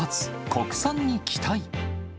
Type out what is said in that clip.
国産に期待。